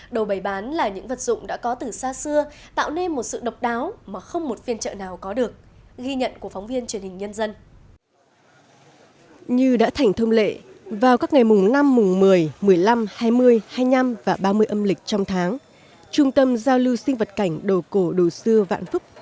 đồ bày bán là những vật dụng đã có từ xa xưa tạo nên một sự độc đáo mà không một phiên chợ nào có được